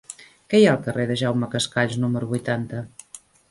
Què hi ha al carrer de Jaume Cascalls número vuitanta?